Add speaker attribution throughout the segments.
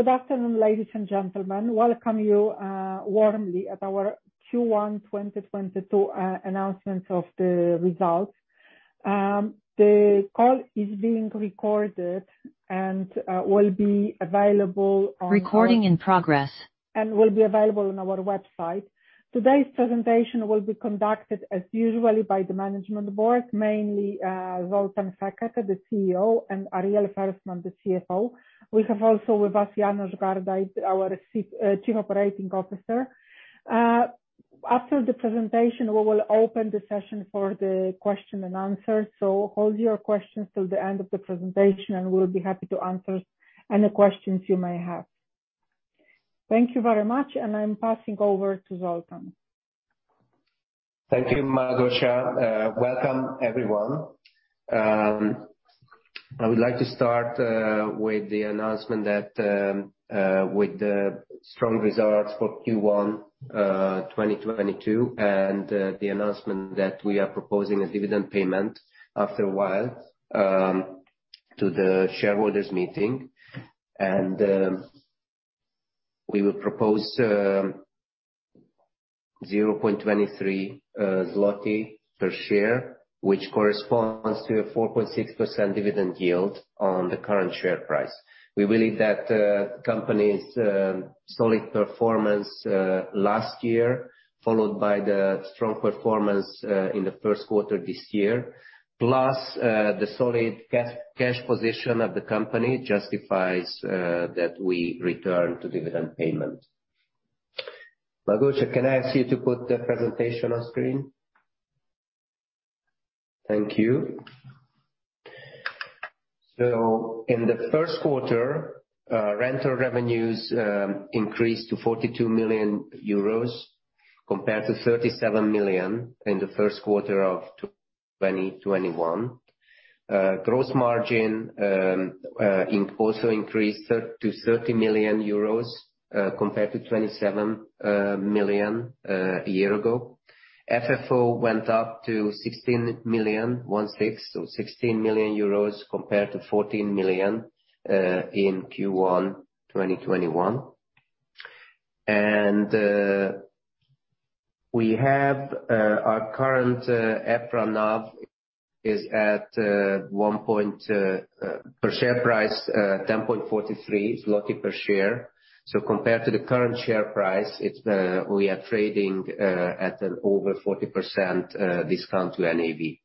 Speaker 1: Good afternoon, ladies and gentlemen. Welcome you warmly at our Q1 2022 announcements of the results. The call is being recorded and will be available on- Will be available on our website. Today's presentation will be conducted as usual by the management board, mainly, Zoltán Fekete, the CEO, and Ariel Ferstman, the CFO. We have also with us János Gárdai, our Chief Operating Officer. After the presentation, we will open the session for the question and answer. Hold your questions till the end of the presentation and we'll be happy to answer any questions you may have. Thank you very much, and I'm passing over to Zoltán.
Speaker 2: Thank you, Małgorzata. Welcome everyone. I would like to start with the strong results for Q1 2022 and the announcement that we are proposing a dividend payment after a while to the shareholders meeting. We will propose 0.23 zloty per share, which corresponds to a 4.6% dividend yield on the current share price. We believe that the company's solid performance last year, followed by the strong performance in the first quarter this year, plus the solid cash position of the company justifies that we return to dividend payment. Małgorzata, can I ask you to put the presentation on screen? Thank you. In the first quarter, rental revenues increased to 42 million euros compared to 37 million in the first quarter of 2021. Gross margin also increased to 30 million euros compared to 27 million a year ago. FFO went up to 16 million compared to 14 million in Q1 2021. We have our current EPRA NAV is at 10.43 PLN per share. Compared to the current share price, we are trading at an over 40% discount to NAV.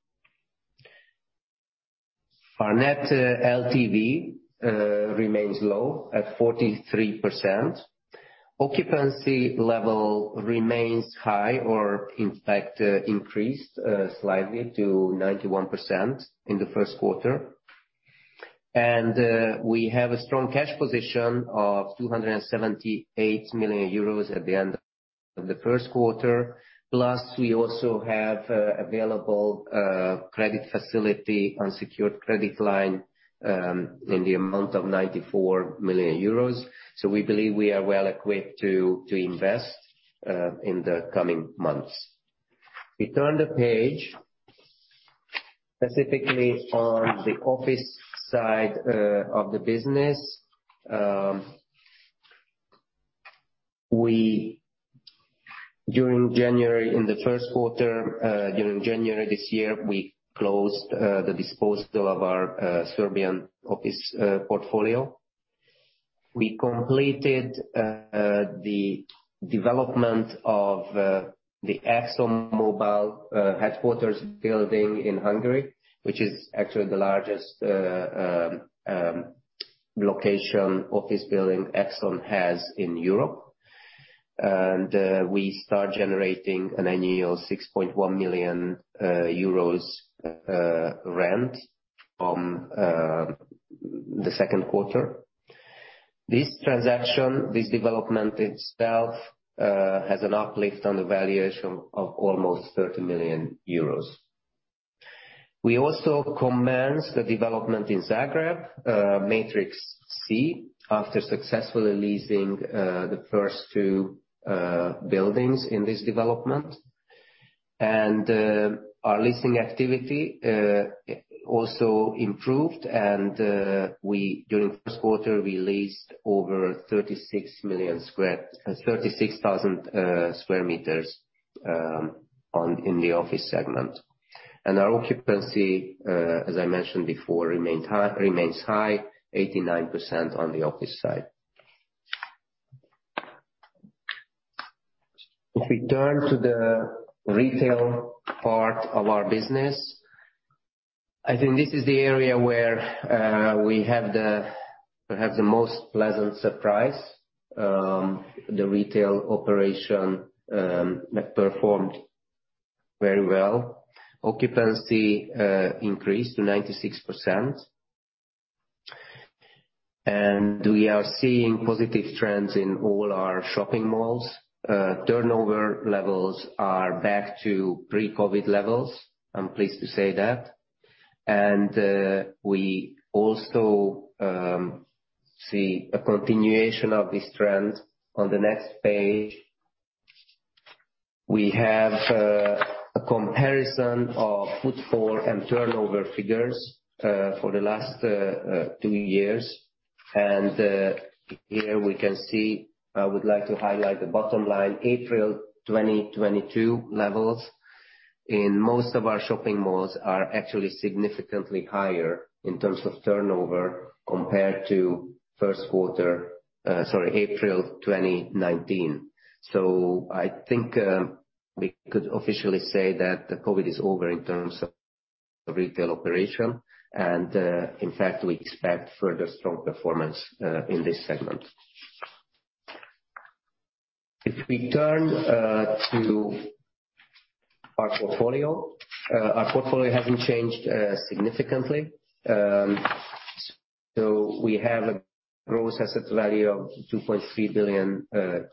Speaker 2: Our net LTV remains low at 43%. Occupancy level remains high or in fact increased slightly to 91% in the first quarter. We have a strong cash position of 278 million euros at the end of the first quarter. We also have available credit facility, unsecured credit line, in the amount of 94 million euros. We believe we are well equipped to invest in the coming months. We turn the page specifically on the office side of the business. During January this year, in the first quarter, we closed the disposal of our Serbian office portfolio. We completed the development of the ExxonMobil headquarters building in Hungary, which is actually the largest location office building Exxon has in Europe. We start generating an annual 6.1 million euros rent from the second quarter. This transaction, this development itself, has an uplift on the valuation of almost 30 million euros. We also commenced the development in Zagreb, Matrix C, after successfully leasing the first two buildings in this development. Our leasing activity also improved and we during the first quarter leased over 36,000 square meters in the office segment. Our occupancy, as I mentioned before, remains high, 89% on the office side. If we turn to the retail part of our business, I think this is the area where we have the most pleasant surprise. The retail operation that performed very well. Occupancy increased to 96%. We are seeing positive trends in all our shopping malls. Turnover levels are back to pre-COVID levels. I'm pleased to say that. We also see a continuation of this trend on the next page. We have a comparison of footfall and turnover figures for the last two years. Here we can see. I would like to highlight the bottom line. April 2022 levels in most of our shopping malls are actually significantly higher in terms of turnover compared to April 2019. I think we could officially say that the COVID is over in terms of retail operation, and in fact, we expect further strong performance in this segment. If we turn to our portfolio, our portfolio hasn't changed significantly. We have a gross asset value of 2.3 billion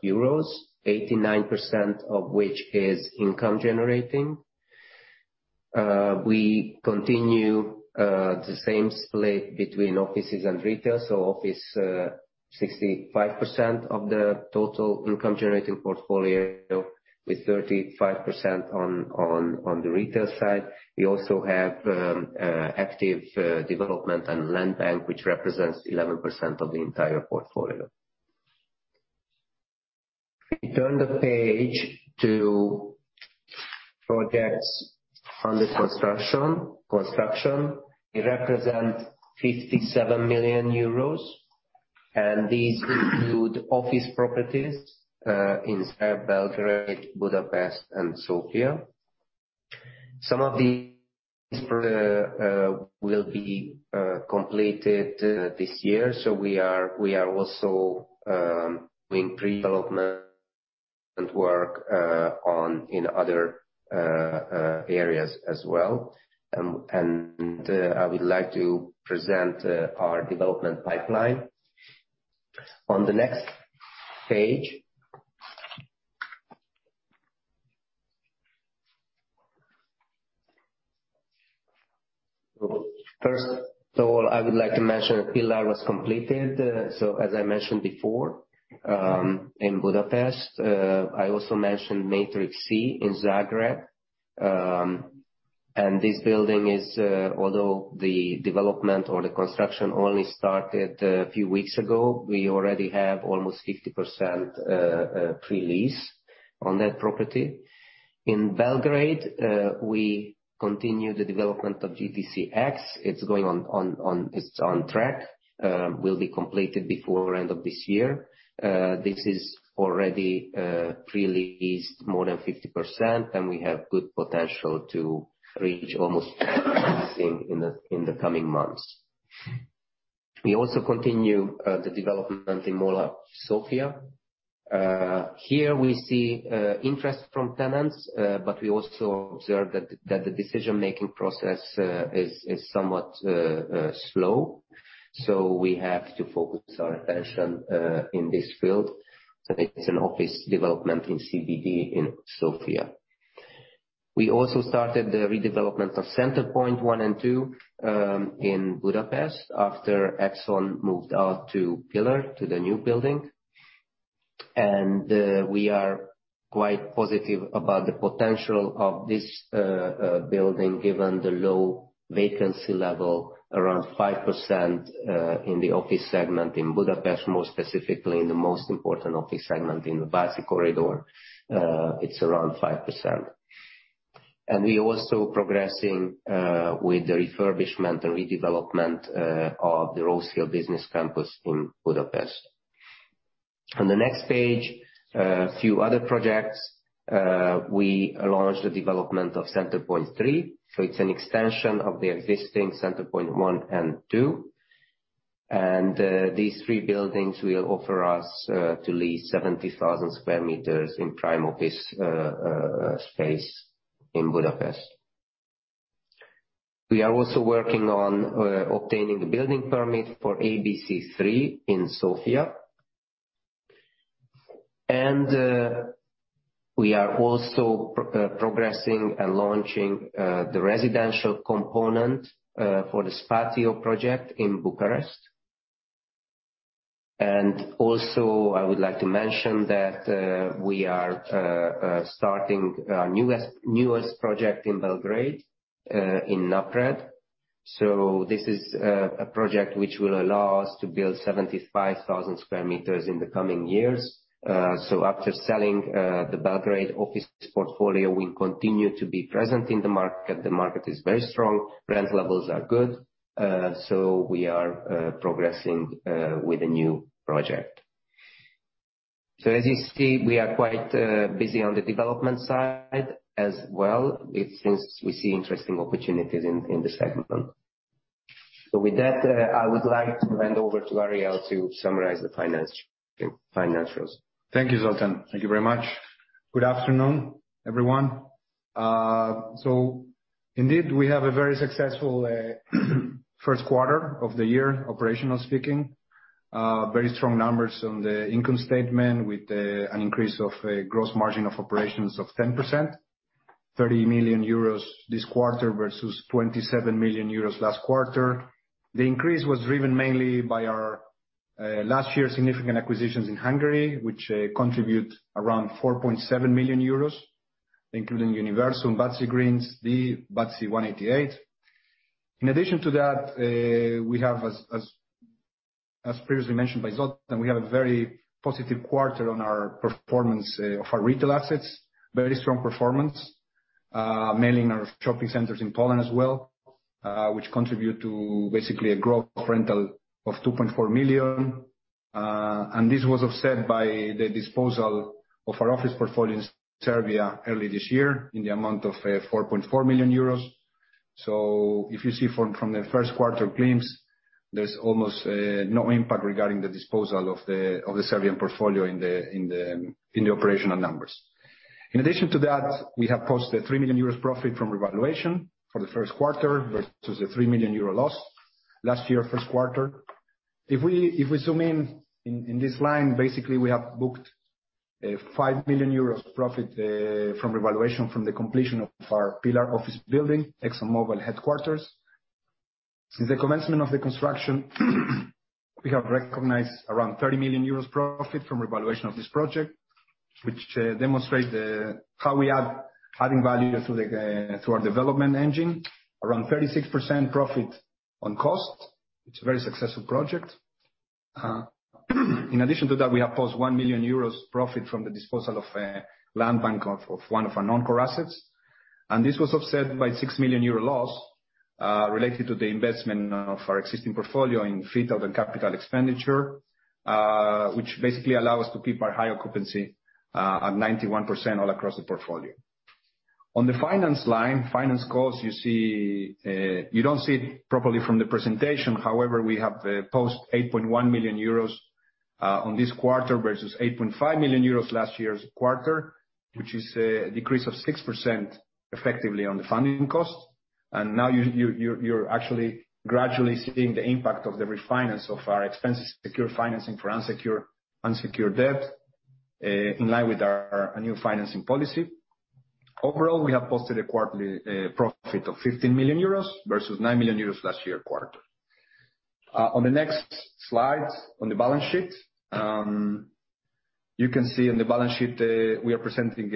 Speaker 2: euros, 89% of which is income generating. We continue the same split between offices and retail, so office 65% of the total income generating portfolio with 35% on the retail side. We also have active development and land bank, which represents 11% of the entire portfolio. If we turn the page to projects under construction, it represent 57 million euros, and these include office properties in Zagreb, Belgrade, Budapest and Sofia. Some of these will be completed this year. We are also doing pre-development work in other areas as well. I would like to present our development pipeline. On the next page. First of all, I would like to mention Pillar was completed, so as I mentioned before, in Budapest. I also mentioned Matrix C in Zagreb. This building is, although the development or the construction only started a few weeks ago, we already have almost 50% pre-lease on that property. In Belgrade, we continue the development of GTC X. It's on track. It will be completed before end of this year. This is already pre-leased more than 50%, and we have good potential to reach almost in the coming months. We also continue the development in Mall of Sofia. Here we see interest from tenants, but we also observe that the decision-making process is somewhat slow. We have to focus our attention in this field. It's an office development in CBD in Sofia. We also started the redevelopment of Centerpoint one and two in Budapest after Exxon moved out to Pillar, to the new building. We are quite positive about the potential of this building, given the low vacancy level around 5% in the office segment in Budapest, more specifically in the most important office segment in the Váci corridor. It's around 5%. We're also progressing with the refurbishment and redevelopment of the Russo Business Campus in Budapest. On the next page, a few other projects. We launched the development of Centerpoint three, so it's an extension of the existing Centerpoint one and two. These three buildings will offer us to lease 70,000 square meters in prime office space in Budapest. We are also working on obtaining the building permit for ABC Three in Sofia. We are also progressing and launching the residential component for the Spatio project in Bucharest. I would like to mention that we are starting our newest project in Belgrade, in Napred. This is a project which will allow us to build 75,000 square meters in the coming years. After selling the Belgrade office portfolio, we continue to be present in the market. The market is very strong. Rent levels are good. We are progressing with a new project. As you see, we are quite busy on the development side as well since we see interesting opportunities in this segment. With that, I would like to hand over to Ariel to summarize the financials.
Speaker 3: Thank you, Zoltán. Thank you very much. Good afternoon, everyone. Indeed, we have a very successful first quarter of the year, operationally speaking. Very strong numbers on the income statement with an increase of gross margin of operations of 10%. 30 million euros this quarter versus 27 million euros last quarter. The increase was driven mainly by our last year's significant acquisitions in Hungary, which contribute around 4.7 million euros, including Universal and Váci Greens, the Váci 188. In addition to that, we have as previously mentioned by Zoltán, we have a very positive quarter on our performance of our retail assets. Very strong performance mainly in our shopping centers in Poland as well, which contribute to basically a rental growth of 2.4 million. This was offset by the disposal of our office portfolio in Serbia early this year in the amount of 4.4 million euros. If you see from the first quarter glimpse, there's almost no impact regarding the disposal of the Serbian portfolio in the operational numbers. In addition to that, we have posted a 3 million euros profit from revaluation for the first quarter versus a 3 million euro loss last year first quarter. If we zoom in this line, basically we have booked a 5 million euros profit from revaluation from the completion of our Pillar office building, ExxonMobil headquarters. Since the commencement of the construction, we have recognized around 30 million euros profit from revaluation of this project, which demonstrate how we are adding value to our development engine. Around 36% profit on cost. It's a very successful project. In addition to that, we posted 1 million euros profit from the disposal of a land bank of one of our non-core assets. This was offset by 6 million euro loss related to the investment of our existing portfolio in fit out and capital expenditure, which basically allow us to keep our high occupancy at 91% all across the portfolio. On the finance line, finance cost, you see, you don't see it properly from the presentation. However, we posted 8.1 million euros on this quarter versus 8.5 million euros last year's quarter, which is a decrease of 6% effectively on the funding cost. You're actually gradually seeing the impact of the refinancing of our expensive secured financing for unsecured debt, in line with our new financing policy. Overall, we have posted a quarterly profit of 15 million euros versus 9 million euros last year quarter. On the next slide, on the balance sheet, you can see in the balance sheet, we are presenting,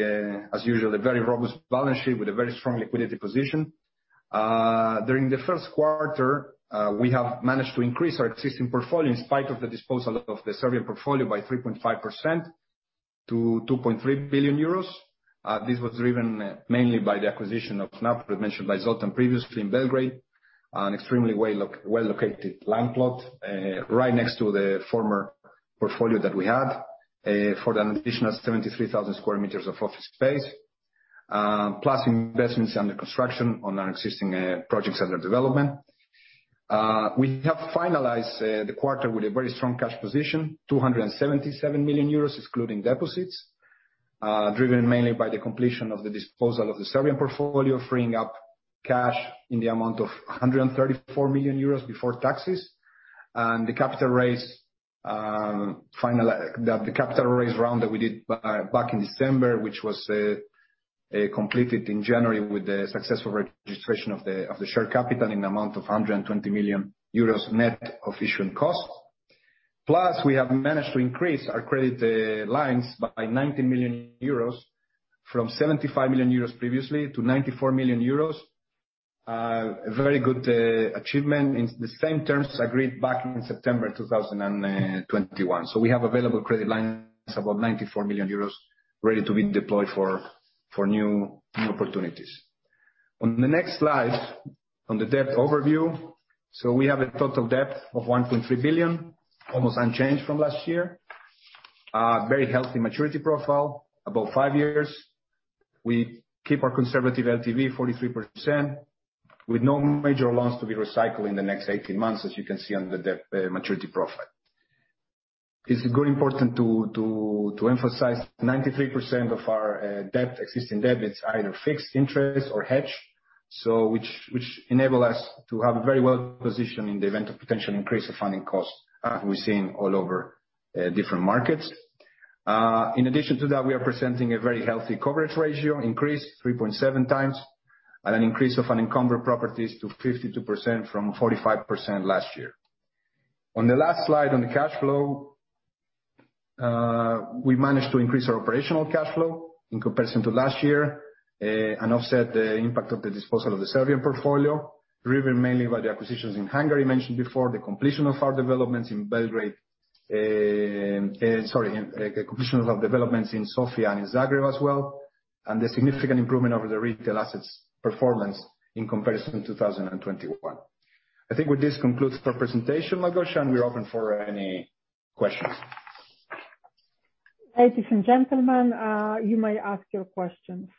Speaker 3: as usual, a very robust balance sheet with a very strong liquidity position. During the first quarter, we have managed to increase our existing portfolio in spite of the disposal of the Serbian portfolio by 3.5% to 2.3 billion euros. This was driven mainly by the acquisition of Napred, as mentioned by Zoltán previously, in Belgrade. An extremely well-located land plot right next to the former portfolio that we had for an additional 73,000 square meters of office space, plus investments under construction on our existing projects under development. We have finalized the quarter with a very strong cash position, 277 million euros, excluding deposits, driven mainly by the completion of the disposal of the Serbian portfolio, freeing up cash in the amount of 134 million euros before taxes. The capital raise round that we did back in December, which was completed in January with the successful registration of the share capital in the amount of 120 million euros net of issuing costs. Plus, we have managed to increase our credit lines by 90 million euros from 75 million euros previously to 94 million euros. A very good achievement in the same terms agreed back in September 2021. We have available credit lines about 94 million euros ready to be deployed for new opportunities. On the next slide, on the debt overview, we have a total debt of 1.3 billion, almost unchanged from last year. Very healthy maturity profile, about five years. We keep our conservative LTV 43% with no major loans to be recycled in the next 18 months, as you can see on the debt maturity profile. It's very important to emphasize 93% of our existing debt. It's either fixed interest or hedged, which enables us to have a very well position in the event of potential increase of funding costs as we've seen all over different markets. In addition to that, we are presenting a very healthy coverage ratio increase, 3.7 times, and an increase of unencumbered properties to 52% from 45% last year. On the last slide, on the cash flow, we managed to increase our operational cash flow in comparison to last year, and offset the impact of the disposal of the Serbian portfolio, driven mainly by the acquisitions in Hungary mentioned before, the completion of our developments in Belgrade. Sorry, the completion of developments in Sofia and in Zagreb as well, and the significant improvement over the retail assets performance in comparison to 2021. I think with this concludes the presentation, Małgorzata, and we're open for any questions.
Speaker 1: Ladies and gentlemen, you may ask your questions.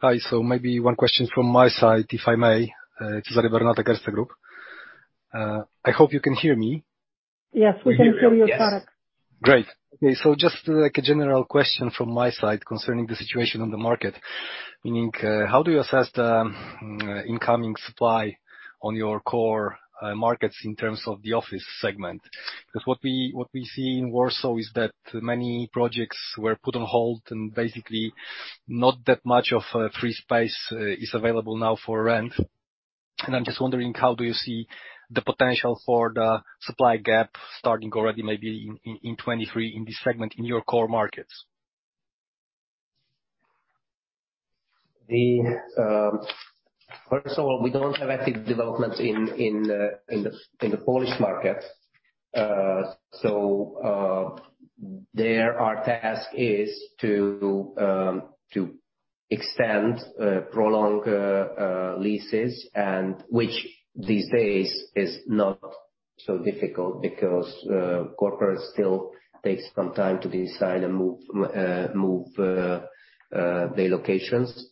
Speaker 4: Hi. Maybe one question from my side, if I may. Jakub Caithaml, WOOD & Company. I hope you can hear me.
Speaker 1: Yes, we can hear you clearly.
Speaker 4: Great. Okay, so just like a general question from my side concerning the situation on the market, meaning, how do you assess the incoming supply on your core markets in terms of the office segment? Because what we see in Warsaw is that many projects were put on hold and basically not that much of a free space is available now for rent. I'm just wondering, how do you see the potential for the supply gap starting already maybe in 2023 in this segment in your core markets?
Speaker 2: First of all, we don't have active developments in the Polish market. There our task is to extend prolong leases and which these days is not so difficult because corporates still takes some time to decide and move their locations.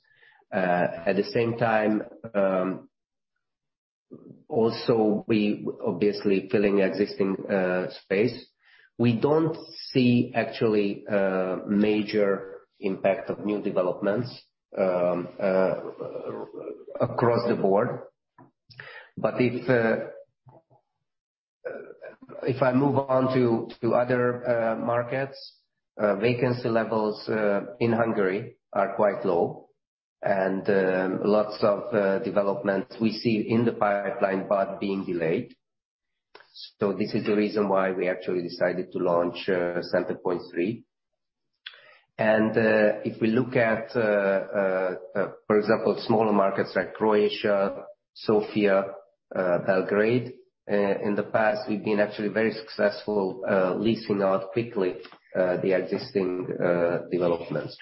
Speaker 2: At the same time, also we obviously filling existing space. We don't see actually major impact of new developments across the board. If I move on to other markets, vacancy levels in Hungary are quite low, and lots of developments we see in the pipeline but being delayed. This is the reason why we actually decided to launch Centerpoint three. If we look at, for example, smaller markets like Croatia, Sofia, Belgrade, in the past we've been actually very successful leasing out quickly the existing developments.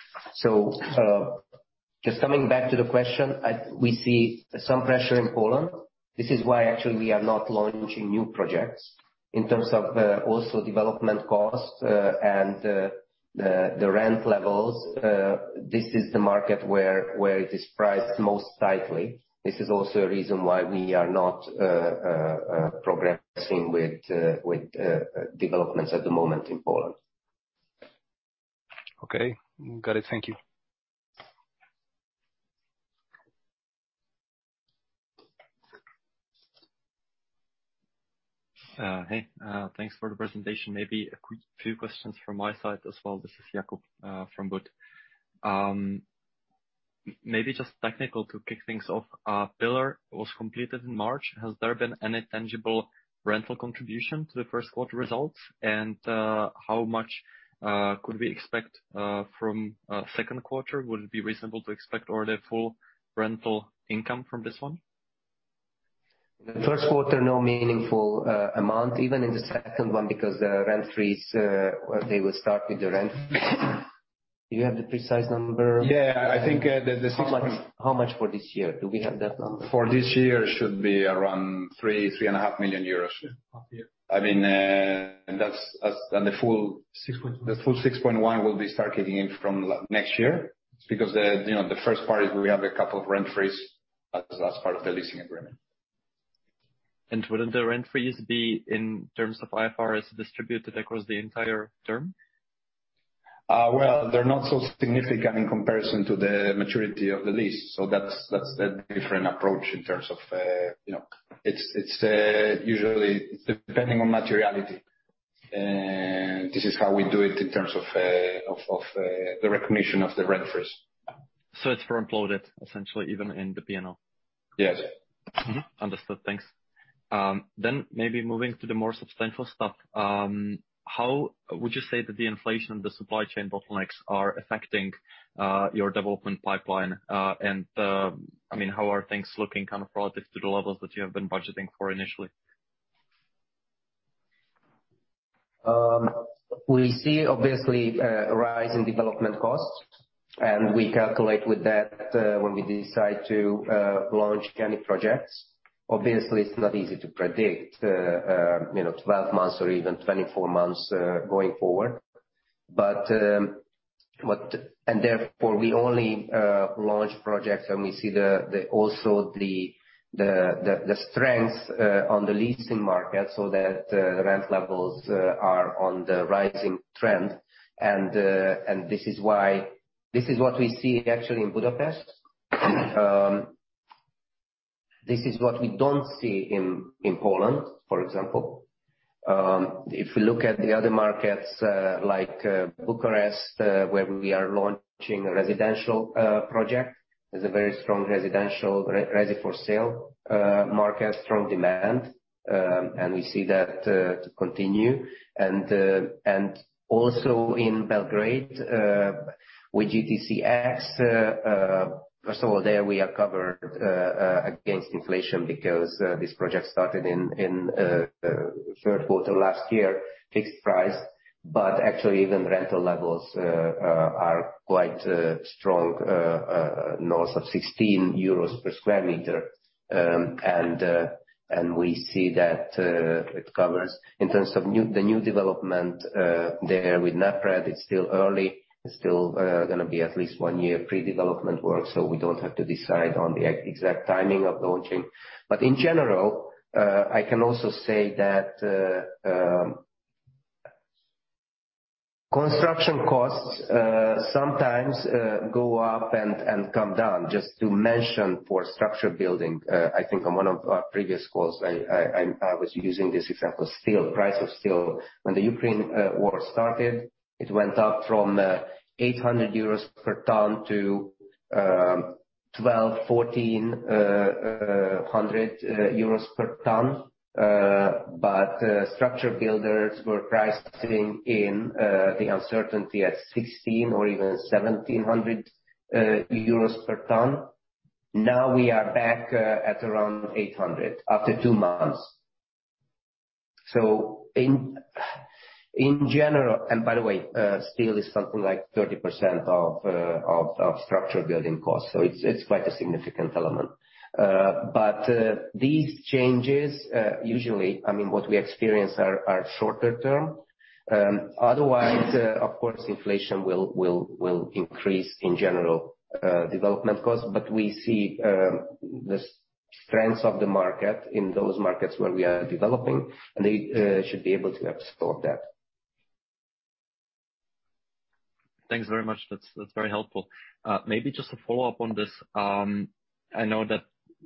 Speaker 2: Just coming back to the question, we see some pressure in Poland. This is why actually we are not launching new projects. In terms of also development costs and the rent levels, this is the market where it is priced most tightly. This is also a reason why we are not progressing with developments at the moment in Poland.
Speaker 4: Okay. Got it. Thank you. Thanks for the presentation. Maybe a few questions from my side as well. This is Jakub Caithaml from WOOD & Company. Maybe just technical to kick things off. Pillar was completed in March. Has there been any tangible rental contribution to the first quarter results? How much could we expect from second quarter? Would it be reasonable to expect already full rental income from this one?
Speaker 2: In the first quarter, no meaningful amount, even in the second one, because the rent freeze, where they will start with the rent. Do you have the precise number?
Speaker 3: Yeah. I think, the six point-
Speaker 2: How much, how much for this year? Do we have that number?
Speaker 3: For this year, it should be around 3 million-3.5 million euros.
Speaker 4: Half year.
Speaker 3: I mean, and that's. The full 6.1. The full 6.1% will be starting from next year. It's because the, you know, the first part is we have a couple of rent freeze as part of the leasing agreement.
Speaker 4: Wouldn't the rent freeze be, in terms of IFRS distributed across the entire term?
Speaker 3: Well, they're not so significant in comparison to the maturity of the lease. That's a different approach in terms of, you know. It's usually depending on materiality. This is how we do it in terms of the recognition of the rent freeze.
Speaker 4: It's front-loaded essentially even in the P&L?
Speaker 3: Yes.
Speaker 4: Mm-hmm. Understood. Thanks. Maybe moving to the more substantial stuff. How would you say that the inflation and the supply chain bottlenecks are affecting your development pipeline? I mean, how are things looking kind of relative to the levels that you have been budgeting for initially?
Speaker 2: We see obviously a rise in development costs, and we calculate with that, when we decide to launch any projects. Obviously it's not easy to predict, you know, 12 months or even 24 months going forward. Therefore we only launch projects when we see also the strength on the leasing market so that the rent levels are on the rising trend. This is what we see actually in Budapest. This is what we don't see in Poland, for example. If we look at the other markets, like Bucharest, where we are launching a residential project, there's a very strong residential resi for sale market, strong demand, and we see that to continue. Also in Belgrade, with GTC X, first of all, there we are covered against inflation because this project started in third quarter last year, fixed price. Actually even rental levels are quite strong north of 16 euros per square meter. We see that it covers. In terms of the new development there with Napred, it's still early. It's still gonna be at least one year pre-development work, so we don't have to decide on the exact timing of launching. In general, I can also say that construction costs sometimes go up and come down. Just to mention for structure building, I think on one of our previous calls I was using this example. Steel, price of steel. When the Ukraine war started, it went up from 800 euros per ton to 1,200-1,400 euros per ton. Structure builders were pricing in the uncertainty at 1,600 or even 1,700 euros per ton. Now we are back at around 800 after two months. In general. By the way, steel is something like 30% of structure building costs, so it's quite a significant element. These changes usually, I mean, what we experience are shorter term. Otherwise, of course, inflation will increase in general development costs. We see the strengths of the market in those markets where we are developing, and they should be able to absorb that.
Speaker 4: Thanks very much. That's very helpful. Maybe just to follow up on this, I know that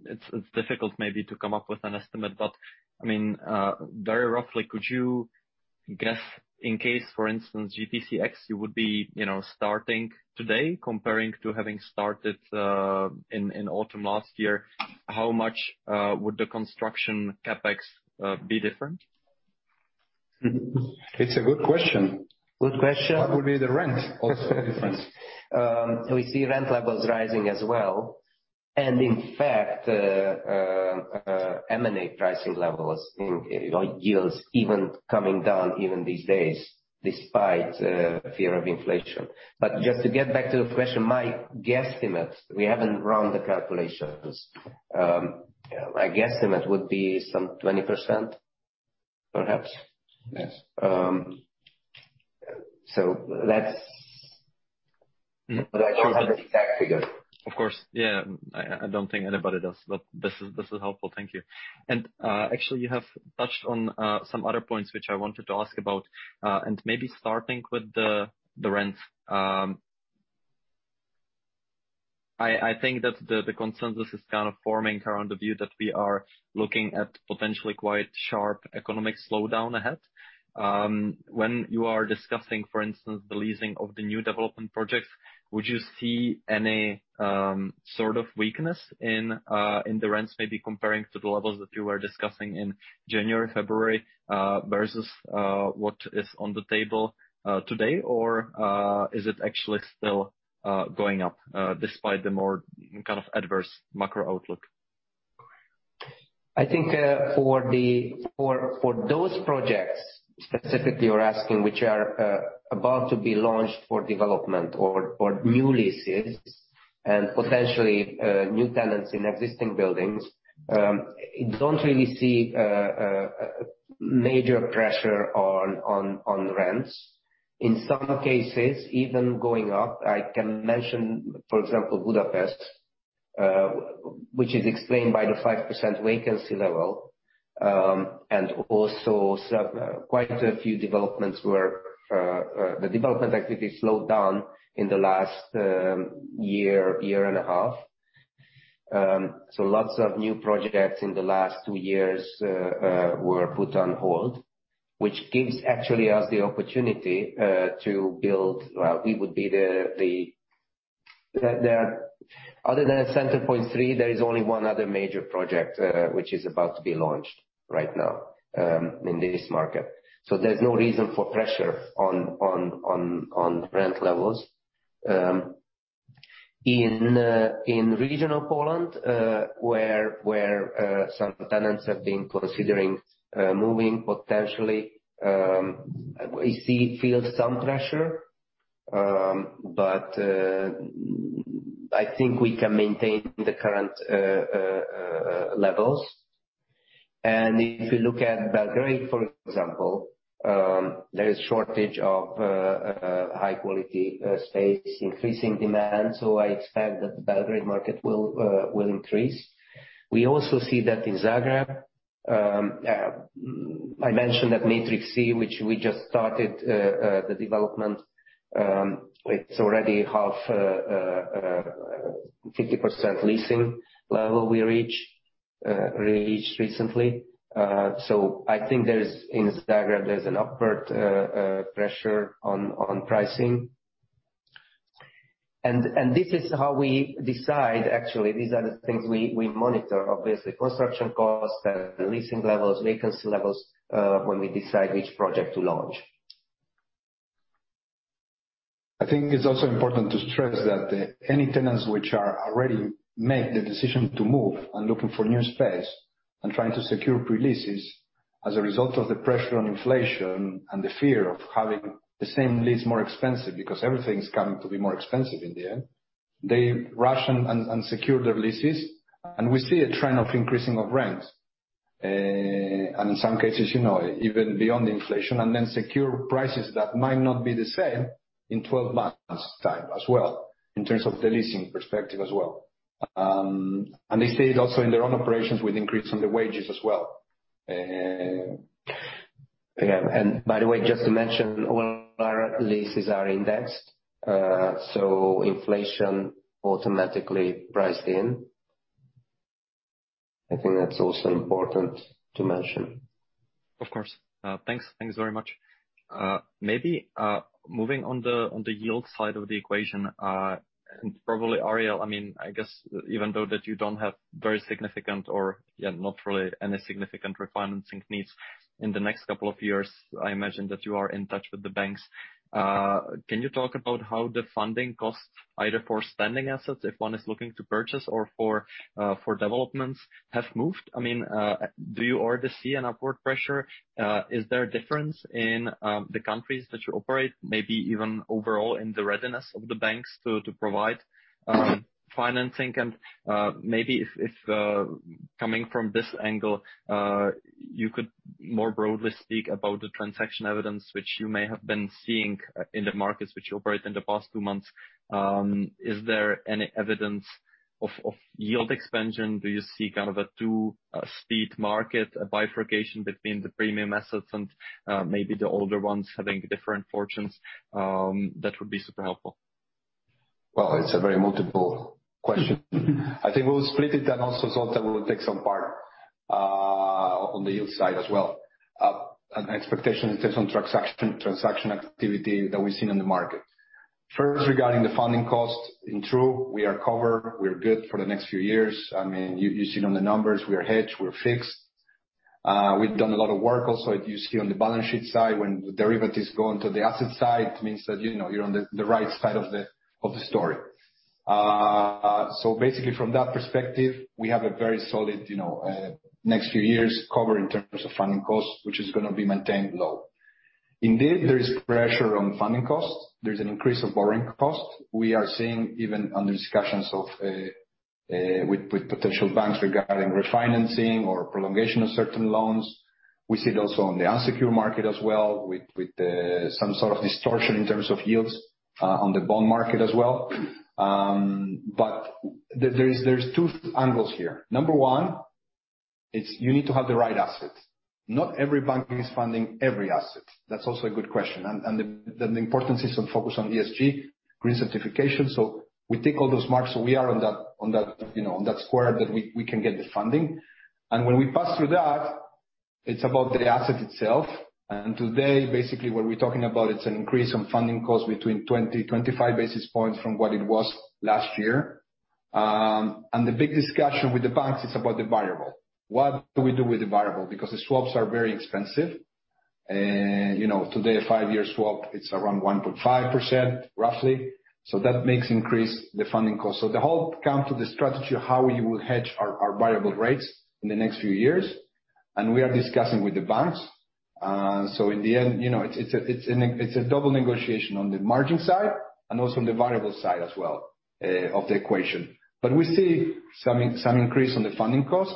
Speaker 4: it's difficult maybe to come up with an estimate, but I mean, very roughly could you guess in case, for instance, GTC X, you would be, you know, starting today comparing to having started in autumn last year, how much would the construction CapEx be different?
Speaker 3: It's a good question.
Speaker 2: Good question.
Speaker 3: What would be the rental difference?
Speaker 2: We see rent levels rising as well, and in fact, M&A pricing levels in, you know, yields even coming down even these days despite fear of inflation. Just to get back to the question, my guesstimate, we haven't run the calculations. My guesstimate would be some 20% perhaps.
Speaker 3: Yes.
Speaker 2: That's.
Speaker 4: Mm.
Speaker 2: I don't have the exact figures.
Speaker 4: Of course. Yeah. I don't think anybody does, but this is helpful. Thank you. Actually, you have touched on some other points which I wanted to ask about, and maybe starting with the rents. I think that the consensus is kind of forming around the view that we are looking at potentially quite sharp economic slowdown ahead. When you are discussing, for instance, the leasing of the new development projects, would you see any sort of weakness in the rents maybe comparing to the levels that you were discussing in January, February, versus what is on the table today? Or is it actually still going up despite the more kind of adverse macro outlook?
Speaker 2: I think, for those projects specifically you're asking which are about to be launched for development or new leases and potentially new tenants in existing buildings, I don't really see major pressure on rents. In some cases, even going up. I can mention, for example, Budapest, which is explained by the 5% vacancy level, and also quite a few developments where the development activity slowed down in the last year and a half. Lots of new projects in the last two years were put on hold, which gives actually us the opportunity to build. Other than Centerpoint three, there is only one other major project, which is about to be launched right now, in this market. There's no reason for pressure on rent levels. In regional Poland, where some tenants have been considering moving potentially, we see, feel some pressure. But I think we can maintain the current levels. If you look at Belgrade, for example, there is shortage of high quality space, increasing demand. I expect that the Belgrade market will increase. We also see that in Zagreb. I mentioned that Matrix C, which we just started the development, it's already 50% leasing level we reached recently. I think there is, in Zagreb, an upward pressure on pricing. This is how we decide, actually. These are the things we monitor, obviously, construction costs, leasing levels, vacancy levels, when we decide which project to launch.
Speaker 3: I think it's also important to stress that any tenants which are already made the decision to move and looking for new space and trying to secure pre-leases as a result of the pressure on inflation and the fear of having the same lease more expensive because everything's coming to be more expensive in the end, they rush and secure their leases. We see a trend of increasing of rents, and in some cases, you know, even beyond inflation, and then secure prices that might not be the same in 12 months' time as well, in terms of the leasing perspective as well. They see it also in their own operations with increase on the wages as well. By the way, just to mention, all our leases are indexed, so inflation automatically priced in. I think that's also important to mention.
Speaker 4: Of course. Thanks very much. Maybe moving on the yield side of the equation, and probably Ariel, I mean, I guess even though that you don't have very significant, not really any significant refinancing needs in the next couple of years, I imagine that you are in touch with the banks. Can you talk about how the funding costs either for standing assets if one is looking to purchase or for developments have moved? I mean, do you already see an upward pressure? Is there a difference in the countries that you operate, maybe even overall in the readiness of the banks to provide financing? Maybe if coming from this angle, you could more broadly speak about the transaction evidence which you may have been seeing in the markets which you operate in the past two months. Is there any evidence of yield expansion? Do you see kind of a two-speed market, a bifurcation between the premium assets and maybe the older ones having different fortunes? That would be super helpful.
Speaker 3: Well, it's a very multiple question. I think we'll split it and also Zoltán will take some part on the yield side as well. An expectation in terms of transaction activity that we've seen in the market. First, regarding the funding cost, in truth we are covered. We're good for the next few years. I mean, you've seen on the numbers, we are hedged, we're fixed. We've done a lot of work also you see on the balance sheet side. When derivatives go onto the asset side, it means that, you know, you're on the right side of the story. So basically from that perspective, we have a very solid, you know, next few years covered in terms of funding costs, which is gonna be maintained low. Indeed, there is pressure on funding costs. There's an increase of borrowing costs. We are seeing even under discussions of with potential banks regarding refinancing or prolongation of certain loans. We see it also on the unsecured market as well, with some sort of distortion in terms of yields on the bond market as well. But there's two angles here. Number one, it's you need to have the right assets. Not every bank is funding every asset. That's also a good question. The importance is on focus on ESG green certification. So we tick all those marks, so we are on that, you know, on that square that we can get the funding. When we pass through that, it's about the asset itself. Today, basically what we're talking about, it's an increase on funding costs between 20-25 basis points from what it was last year. The big discussion with the banks, it's about the variable. What do we do with the variable? Because the swaps are very expensive. You know, today a five-year swap, it's around 1.5%, roughly. So that makes increase the funding cost. So the whole come to the strategy of how you will hedge our variable rates in the next few years. We are discussing with the banks. So in the end, you know, it's a double negotiation on the margin side and also on the variable side as well, of the equation. We see some increase on the funding costs.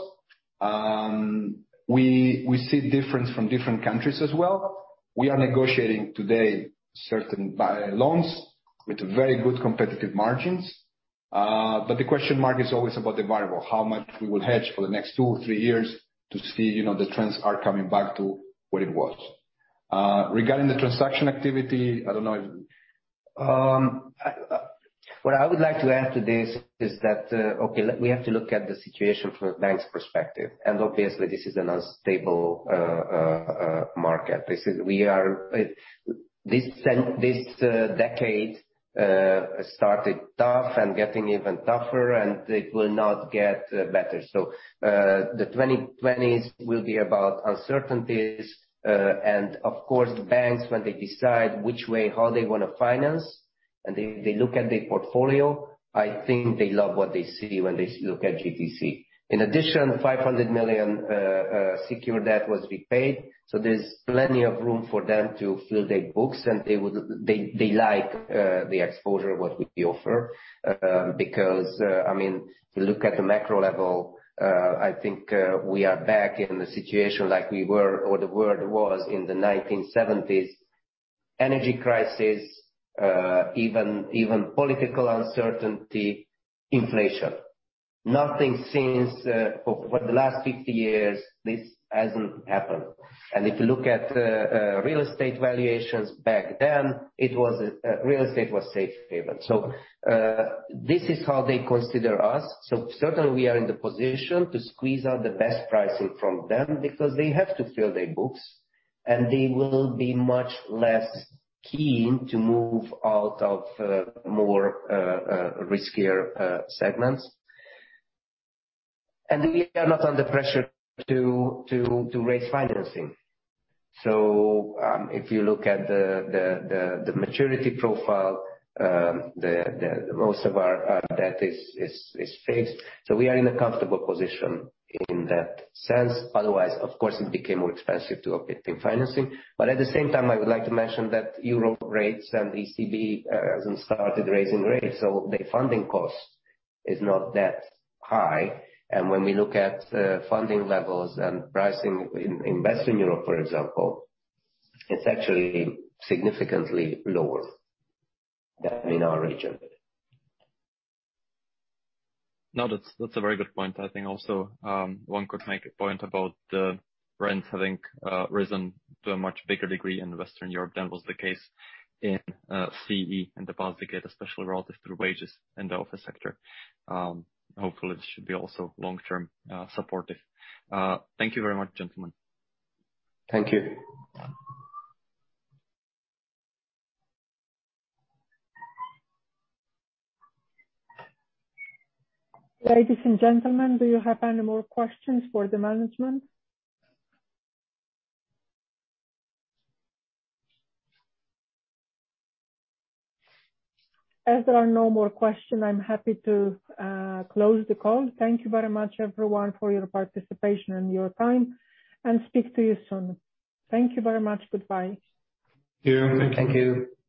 Speaker 3: We see difference from different countries as well. We are negotiating today certain bilateral loans with very good competitive margins. The question mark is always about the variable. How much we will hedge for the next two or three years to see, you know, the trends are coming back to what it was. Regarding the transaction activity, I don't know if
Speaker 2: What I would like to add to this is that, okay, we have to look at the situation from a bank's perspective. Obviously this is an unstable market. This decade started tough and getting even tougher, and it will not get better. The 2020s will be about uncertainties. Of course, banks, when they decide which way, how they wanna finance, and they look at their portfolio, I think they love what they see when they look at GTC. In addition, 500 million secured debt was repaid, so there's plenty of room for them to fill their books. They like the exposure what we offer, because, I mean, if you look at the macro level, I think we are back in the situation like we were or the world was in the 1970s. Energy crisis, even political uncertainty, inflation. Nothing since, for the last 50 years, this hasn't happened. If you look at real estate valuations back then, it was real estate was safe haven. This is how they consider us. Certainly we are in the position to squeeze out the best pricing from them because they have to fill their books, and they will be much less keen to move out of more riskier segments. We are not under pressure to raise financing. If you look at the maturity profile, the most of our debt is fixed. We are in a comfortable position in that sense. Otherwise, of course, it became more expensive to obtain financing. At the same time, I would like to mention that Euro rates and ECB hasn't started raising rates, so the funding cost is not that high. When we look at funding levels and pricing in Western Europe, for example, it's actually significantly lower than in our region.
Speaker 4: No, that's a very good point. I think also, one could make a point about the rents having risen to a much bigger degree in Western Europe than was the case in CE and the Baltic, especially relative to wages in the office sector. Hopefully it should be also long-term supportive. Thank you very much, gentlemen.
Speaker 3: Thank you.
Speaker 1: Ladies and gentlemen, do you have any more questions for the management? As there are no more question, I'm happy to close the call. Thank you very much, everyone, for your participation and your time, and speak to you soon. Thank you very much. Goodbye.
Speaker 3: See you. Thank you.
Speaker 2: Thank you.